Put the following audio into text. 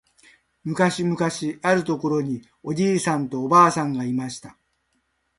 むかしむかしあるところにおじいさんとおばあさんがいました。